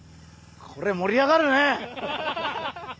これ盛り上がるね。